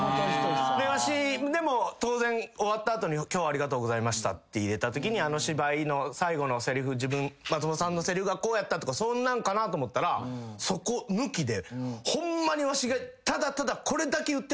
わし当然終わった後に今日はありがとうございましたって言えたときにあの芝居の最後のせりふ自分松本さんのせりふがこうやったとかそんなんかなと思ったらそこ抜きでホンマにわしがただただ。